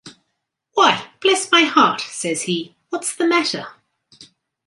"Why, bless my heart," says he, "what's the matter?"